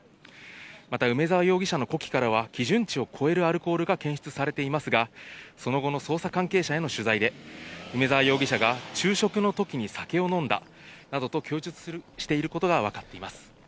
また梅沢容疑者の呼気からは、基準値を超えるアルコールが検出されていますが、その後の捜査関係者への取材で、梅沢容疑者が、昼食のときに酒を飲んだなどと供述していることが分かっています。